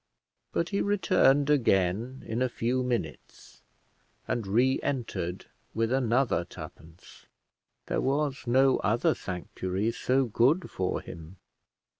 But he returned again in a few minutes, and re entered with another twopence. There was no other sanctuary so good for him.